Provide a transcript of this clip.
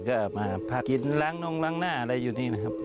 ก็มาพักกินล้างนงล้างหน้าอะไรอยู่นี่นะครับ